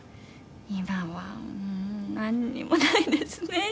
「今はなんにもないですね」